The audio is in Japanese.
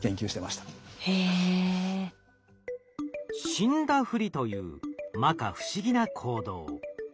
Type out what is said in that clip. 死んだふりというまか不思議な行動。